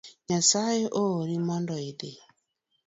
Nyasaye oori mondo idhi